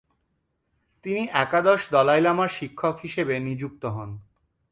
তিনি একাদশ দলাই লামার শিক্ষক হিসেবে নিযুক্ত হন।